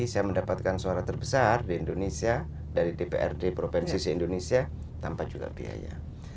saya juga membuat suara terbesar di indonesia dari dpr di provinsi indonesia tanpa juga biaya